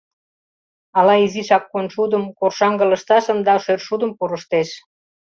Ала изишак коншудым, коршаҥге лышташым да шӧршудым пурыштеш.